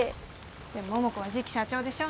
でも桃子は次期社長でしょ？